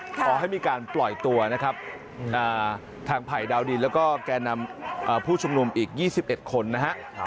ขอให้มีการปล่อยตัวนะครับทางไผ่ดาวดินแล้วก็แก่นำผู้ชุมนุมอีก๒๑คนนะฮะ